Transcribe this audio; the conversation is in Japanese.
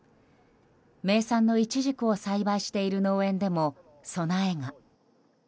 名産のイチジクを栽培している農園でも備えが。